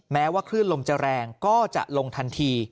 แม้ว่าคลื่นลมจะแรงก็จะลงทันที